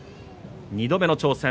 ２度目の挑戦。